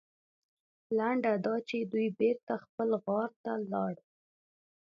لنډه دا چې دوی بېرته خپل غار ته لاړل.